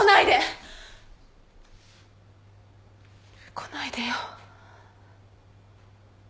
来ないでよ。